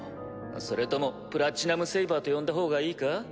それともプラチナムセイバーと呼んだ方がいいか？